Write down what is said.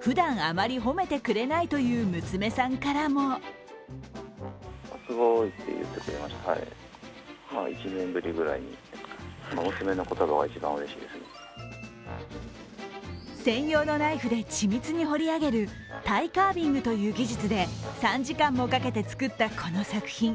ふだんあまり褒めてくれないという娘さんからも専用のナイフで緻密に彫り上げるタイカービングという技術で３時間もかけて作ったこの作品。